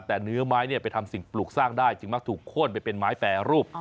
แต่เนื้อไม้ไปทำสิ่งปลูกสร้างได้จึงมักถูกโค้นไปเป็นไม้แปรรูป